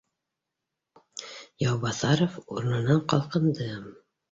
Яубаҫаров урынынан ҡалҡынды: